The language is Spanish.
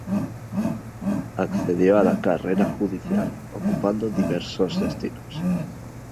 Accedió a la carrera judicial, ocupando diversos destinos.